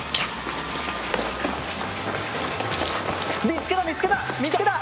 見つけた見つけた！来た！